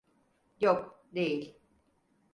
Yok, değil.